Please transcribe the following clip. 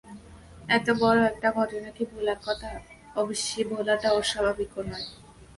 এত বড় একটা ঘটনা কি ভোলার কথা অবশ্যি ভোলাটা অস্বাভাবিকও নয়।